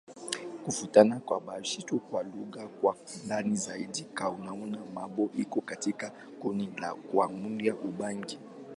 Kufuatana na uainishaji wa lugha kwa ndani zaidi, Kingbaka-Ma'bo iko katika kundi la Kiadamawa-Ubangi.